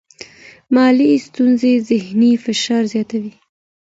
مالي ستونزې ذهنی فشار زیاتوي.